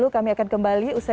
kami akan kembali